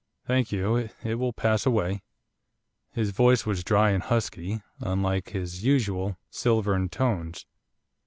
'Thank you. It will pass away.' His voice was dry and husky, unlike his usual silvern tones.